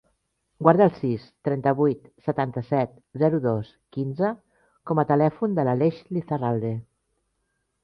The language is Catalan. Guarda el sis, trenta-vuit, setanta-set, zero, dos, quinze com a telèfon de l'Aleix Lizarralde.